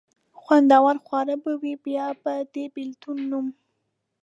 خوندور خواړه به وي، بیا به د بېلتون نوم.